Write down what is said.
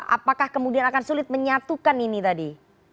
apakah kemudian akan sulit menyatukan ini tadi